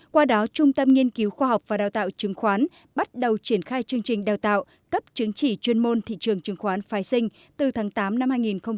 qua đó trung tâm nghiên cứu khoa học và đào tạo chứng khoán bắt đầu triển khai chương trình đào tạo cấp chứng chỉ chuyên môn thị trường chứng khoán phái sinh từ tháng tám năm hai nghìn một mươi chín